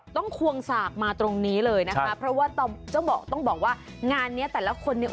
ควงสากมาตรงนี้เลยนะคะเพราะว่าเจ้าบอกต้องบอกว่างานเนี้ยแต่ละคนเนี่ย